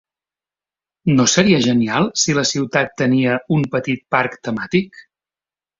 No seria genial si la ciutat tenia un petit parc temàtic?